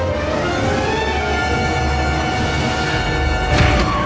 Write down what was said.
lo sudah nunggu